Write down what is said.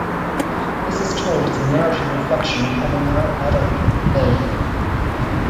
This is told as a narrative reflection of a now adult McDull.